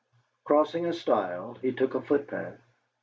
Crossing a stile, he took a footpath.